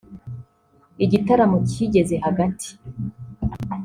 Igitaramo kigeze hagati